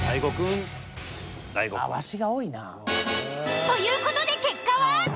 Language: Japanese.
ワシが多いな。という事で結果は。